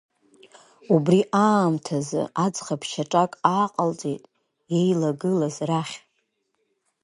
Убри аамҭаз, аӡӷаб шьаҿақәак ааҟалҵеит иеилагылаз рахь.